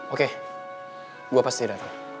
oke gue pasti dateng